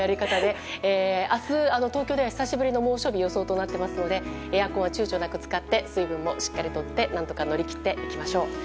明日、東京では久しぶりの猛暑日との予想となっていますのでエアコンは躊躇なく使って水分もしっかりとって何とか乗り切っていきましょう。